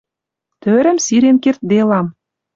Тӧрӹм сирен кердделам.